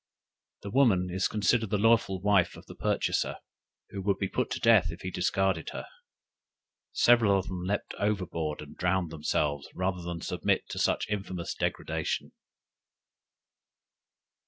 The woman is considered the lawful wife of the purchaser, who would be put to death if he discarded her. Several of them leaped overboard and drowned themselves, rather than submit to such infamous degradation.